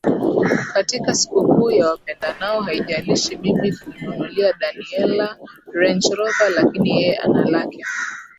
katika sikukuu ya Wapendanao Haijalishi mimi kumnunulia Daniella Range Rover lakini yeye ana lake